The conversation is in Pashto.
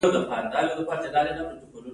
لومړنی حیوان چې انسان اهلي کړ سپی و.